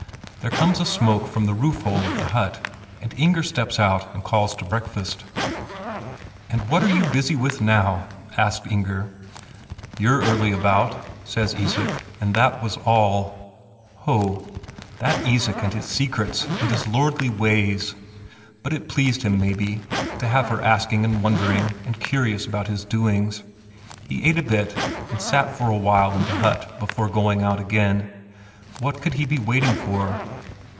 There comes a smoke from the roof hole of the hut, and Inger steps out and calls to breakfast. "And what are you busy with now?" asked Inger. "You're early about," says Isak, and that was all. Ho, that Isak with his secrets and his lordly ways! But it pleased him, maybe, to have her asking and wondering, and curious about his doings. He ate a bit, and sat for a while in the hut before going out again. What could he be waiting for?